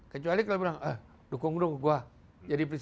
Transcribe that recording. kecuali kalau bilang eh dukung dukung ke gue